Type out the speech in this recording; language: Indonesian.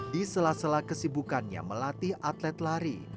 di sela sela kesibukannya melatih atlet lari